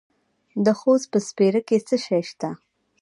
د خوست په سپیره کې څه شی شته؟